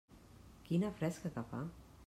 Quina fresca que fa!